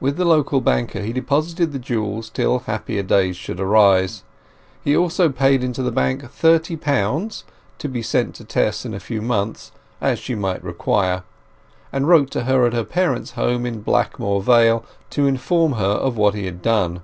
With the local banker he deposited the jewels till happier days should arise. He also paid into the bank thirty pounds—to be sent to Tess in a few months, as she might require; and wrote to her at her parents' home in Blackmoor Vale to inform her of what he had done.